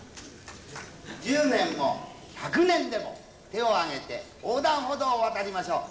１０年も１００年でも手を上げて横断歩道を渡りましょう。